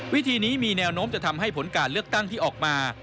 วิธีนี้มีแนวโน้มจะทำให้ผลการเลือกตั้งที่ออกมา